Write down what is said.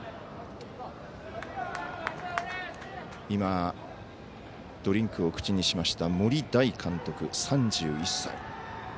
今、ドリンクを口にしました森大監督、３１歳。